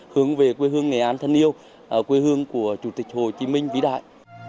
hướng về quê hương nghệ an thân yêu quê hương của chủ tịch hồ chí minh vĩ đại